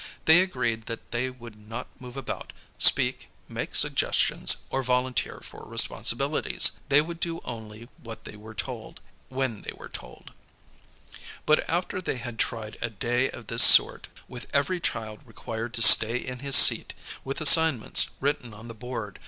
They agreed that they would not move about, speak, make suggestions, or volunteer for responsibilities. They would do only what they were told, when they were told. But after they had tried a day of this sort, with every child required to stay in his seat, with assignments written on the board, with an old fashioned * Jleans, Florence C.